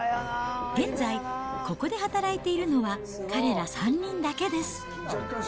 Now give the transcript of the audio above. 現在、ここで働いているのは彼ら３人だけです。